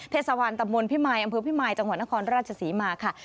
เทศบาลตำบลพิมายอำเภอพิมายจังหวัดนครราชศรีมาค่ะ